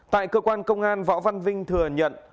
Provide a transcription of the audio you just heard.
tại cơ quan công an võ văn vinh thừa nhận